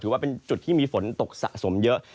ว่าเป็นจุดที่มีฝนตกสะสมเยอะ